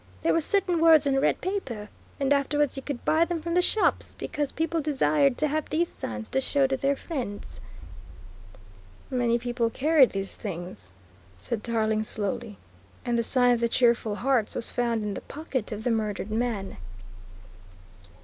"They were certain words on red paper, and afterwards you could buy them from the shops, because people desired to have these signs to show to their friends." "Many people carried these things," said Tarling slowly, "and the sign of the 'Cheerful Hearts' was found in the pocket of the murdered man."